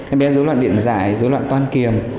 em bé dối loạn điện giải dối loạn toan kiềm